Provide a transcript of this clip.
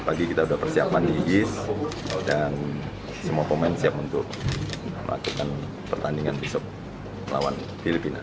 pagi kita sudah persiapan di jis dan semua pemain siap untuk melakukan pertandingan besok lawan filipina